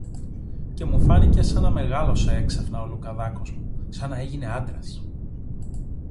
Και μου φάνηκε σα να μεγάλωσε έξαφνα ο Λουκαδάκος μου, σα να έγινε άντρας.